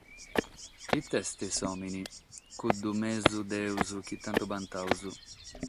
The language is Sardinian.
It’est s’òmine, cuddu mesu Deus chi tantu bantamus!